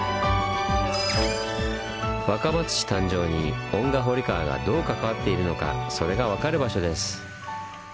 若松市誕生に遠賀堀川がどう関わっているのかそれが分かる場所です。